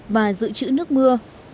và giữ chữ nước mưa